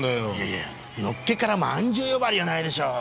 いやいやのっけから饅頭呼ばわりはないでしょ。